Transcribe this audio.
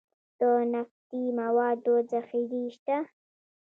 د نفتي موادو ذخیرې شته